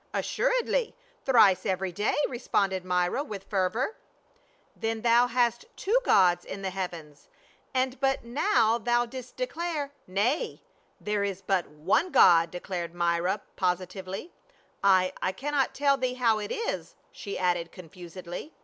"Assuredly, thrice every day," responded Myra, with fervor. " Then thou hast two gods in the heavens ; and but now thou didst declare —"" Nay, there is but one God," declared Myra, posi tively. " I — I cannot tell thee how it is," she added confusedly.